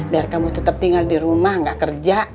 biar kamu tetap tinggal di rumah gak kerja